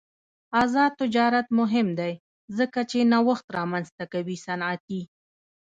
آزاد تجارت مهم دی ځکه چې نوښت رامنځته کوي صنعتي.